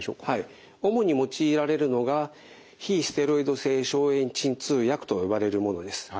主に用いられるのが非ステロイド性消炎鎮痛薬と呼ばれるものです。